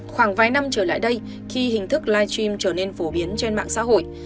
khoảng vài năm trở lại đây khi hình thức live stream trở nên phổ biến trên mạng xã hội